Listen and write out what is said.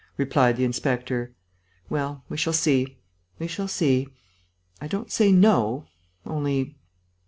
replied the inspector. "Well, we shall see ... we shall see.... I don't say no.... Only...."